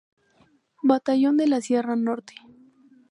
Batallón de la Sierra Norte.